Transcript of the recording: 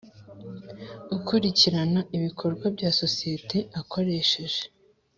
Ukurikirana ibikorwa by isosiyete akoresheje